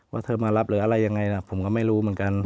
เธอมารับหรืออะไรยังไงนะผมก็ไม่รู้เหมือนกัน